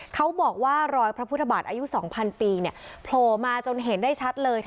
เขาบอกว่ารอยพระพุทธบาทอายุ๒๐๐ปีโผล่มาจนเห็นได้ชัดเลย